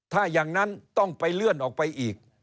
ถ้าอย่างนั้นต้องไปเลื่อนออกไปอีก